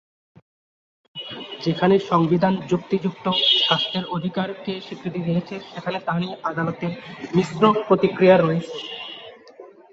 যেখানে সংবিধান যুক্তিযুক্ত "স্বাস্থ্যের অধিকার" কে স্বীকৃতি দিয়েছে, সেখানে তা নিয়ে আদালতের মিশ্র প্রতিক্রিয়া রয়েছে।